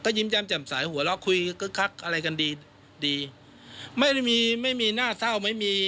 ก็ยิ้มแชมมค่อยจำสายหัวร้องคุยคักคักอะไรกันดี